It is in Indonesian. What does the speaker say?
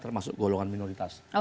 termasuk golongan minoritas